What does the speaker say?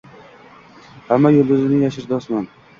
Hamma yulduzini yashirdi osmon